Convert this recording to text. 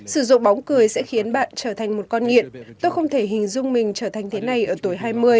sử dụng bóng cười sẽ khiến bạn trở thành một con nghiện tôi không thể hình dung mình trở thành thế này ở tuổi hai mươi